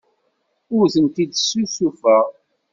Ur tent-id-ssusufeɣ.